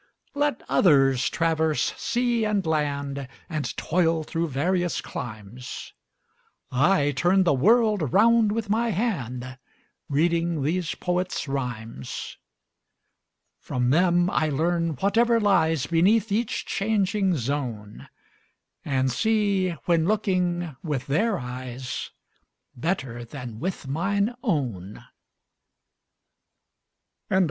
Let others traverse sea and land, And toil through various climes, 30 I turn the world round with my hand Reading these poets' rhymes. From them I learn whatever lies Beneath each changing zone, And see, when looking with their eyes, 35 Better than with mine own. H. W.